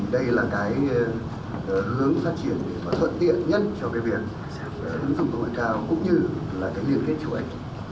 đây là hướng phát triển thuận tiện nhất cho việc ứng dụng đội cao cũng như liên kết chuỗi